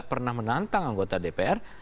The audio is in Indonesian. pernah menantang anggota dpr